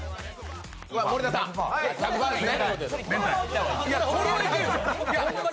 森田さん、１００％ですね。